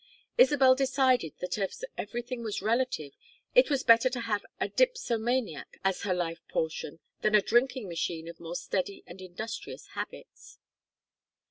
Isabel decided that as everything was relative it was better to have a dipsomaniac as her life portion than a drinking machine of more steady and industrious habits.